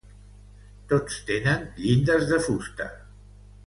Tots tenen llindes de fusta.